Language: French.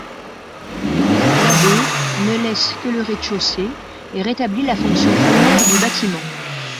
L'abbé ne laisse que le rez-de-chaussée et rétablit la fonction première du bâtiment.